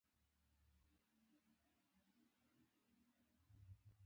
هر پړاو یو نوی خیال زېږولی.